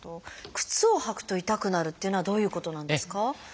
靴を履くと痛くなるっていうのはどういうことなんですか？